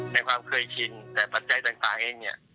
ในความเคยชินแต่ปัจจัยต่างเองเนี่ย